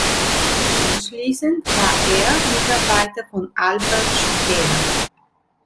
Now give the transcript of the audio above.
Anschließend war er Mitarbeiter von Albert Speer.